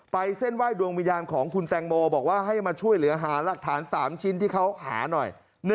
เส้นไหว้ดวงวิญญาณของคุณแตงโมบอกว่าให้มาช่วยเหลือหาหลักฐาน๓ชิ้นที่เขาหาหน่อย